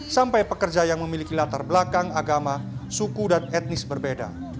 sampai pekerja yang memiliki latar belakang agama suku dan etnis berbeda